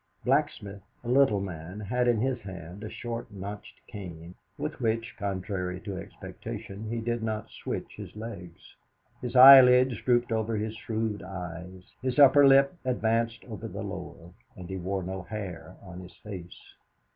Blacksmith, a little man, had in his hand a short notched cane, with which, contrary to expectation, he did not switch his legs. His eyelids drooped over his shrewd eyes, his upper lip advanced over the lower, and he wore no hair on his face.